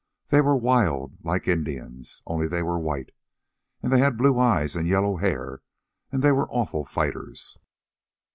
They were wild, like Indians, only they were white. And they had blue eyes, and yellow hair, and they were awful fighters."